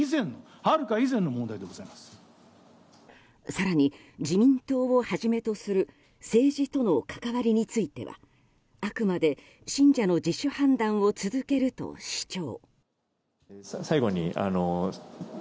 更に、自民党をはじめとする政治との関わりについてはあくまで、信者の自主判断を続けると主張。